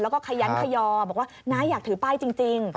แล้วก็ขยันขยอบอกว่าน้าอยากถือป้ายจริง